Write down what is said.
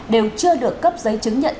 đều chưa được cấp giấy chứng nhận